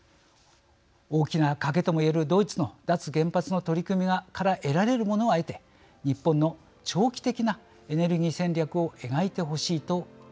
大きな賭けとも言えるドイツの脱原発の取り組みから得られるものは得て日本の長期的なエネルギー戦略を描いてほしいと思います。